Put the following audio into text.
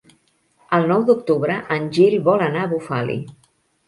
El nou d'octubre en Gil vol anar a Bufali.